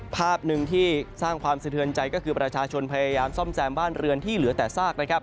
ภาพหนึ่งที่สร้างความสะเทือนใจก็คือประชาชนพยายามซ่อมแซมบ้านเรือนที่เหลือแต่ซากนะครับ